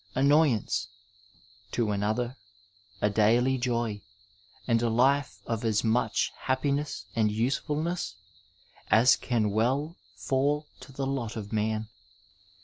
annoyance ; to another, a daily joy and a life of as much happiness and usefulness as can well fall to the lot of man.